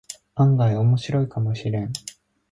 案外オモシロイかもしれん